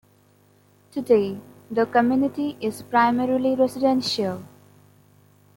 Today, the community is primarily residential.